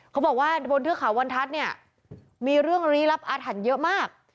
เขาบอกว่าบนเทือกเขาบรรทัศน์เนี่ยมีเรื่องลี้ลับอาถรรพ์เยอะมาก